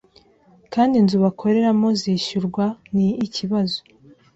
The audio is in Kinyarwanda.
kandi inzu bakoreramo zishyurwa ni ikibazo.